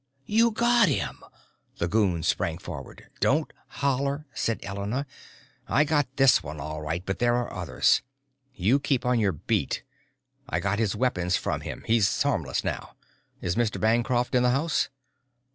"You got him!" The goon sprang forward. "Don't holler," said Elena. "I got this one, all right, but there are others. You keep on your beat. I got his weapons from him. He's harmless now. Is Mr. Bancroft in the house?"